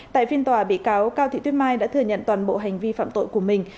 tại phiên tòa bị cáo cao thị tuyết mai đã thừa nhận toàn bộ hành vi phạm tội của mình